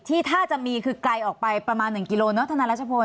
ที่ถ้าจะมีคือไกลออกไปประมาณ๑กิโลเนอธนารัชพล